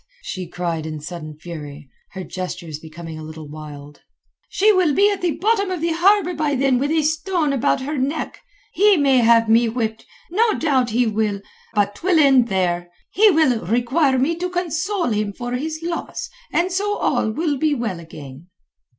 she cried in sudden fury, her gestures becoming a little wild. "She will be at the bottom of the harbour by then with a stone about her neck. He may have me whipped. No doubt he will. But 'twill end there. He will require me to console him for his loss, and so all will be well again."